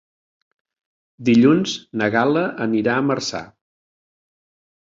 Dilluns na Gal·la anirà a Marçà.